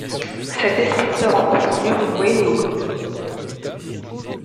Cette espèce se rencontre en Uruguay et au Brésil.